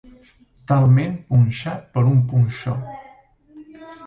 Talment punxat per un punxó.